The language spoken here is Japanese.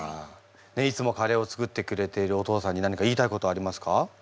いつもカレーを作ってくれているお父さんに何か言いたいことありますか？